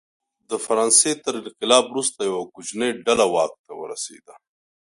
د فرانسې تر انقلاب وروسته یوه کوچنۍ ډله واک ته ورسېده.